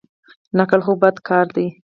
نقل خو بد کار دئ.